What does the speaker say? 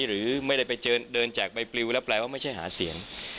หรือไม่ได้ไปเดินแจกใบปลิวแล้วแปลว่าไม่ใช่หาเสียง